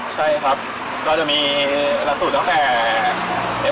ใช่ครับก็จะมีหลักสูตรตั้งแต่